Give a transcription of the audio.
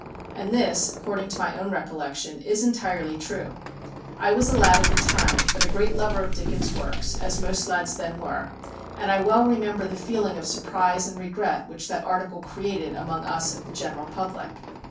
And this, according to my own recollection, is entirely true. I was a lad at the time, but a great lover of Dickens' works, as most lads then were, and I well remember the feeling of surprise and regret which that article created among us of the general public.